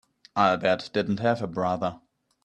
Albert didn't have a brother.